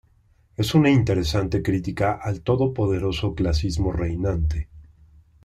Es una interesante crítica al todopoderoso clasismo reinante.